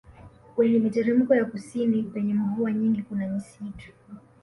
Kwenye miteremko ya kusini penye mvua nyingi kuna misitu